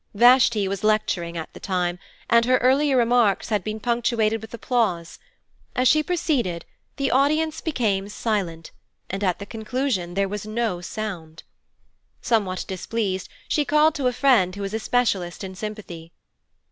Vashti was lecturing at the time and her earlier remarks had been punctuated with applause. As she proceeded the audience became silent, and at the conclusion there was no sound. Somewhat displeased, she called to a friend who was a specialist in sympathy.